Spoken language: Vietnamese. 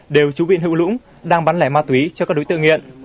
đều chú huyện hữu lũng đang bán lẻ ma túy cho các đối tượng nghiện